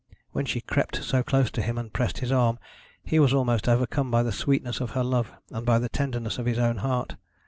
When she crept so close to him and pressed his arm, he was almost overcome by the sweetness of her love and by the tenderness of his own heart.